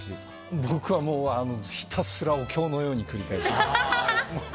僕は、ひたすらお経のように繰り返します。